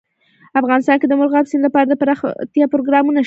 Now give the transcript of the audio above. افغانستان کې د مورغاب سیند لپاره دپرمختیا پروګرامونه شته.